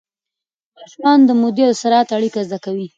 ماشومان د مودې او سرعت اړیکه زده کوي.